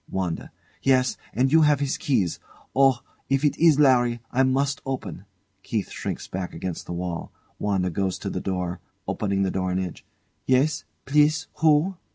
WANDA. Yes, and you have his keys. Oh! if it is Larry! I must open! KEITH shrinks back against the wall. WANDA goes to the door. [Opening the door an inch] Yes? Please? Who?